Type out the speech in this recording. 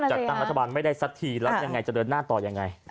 จัดต่างรัฐบาลไม่ได้สักทีจะเดินหน้าต่อยังไง